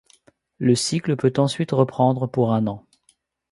Le cycle peut ensuite reprendre pour un an.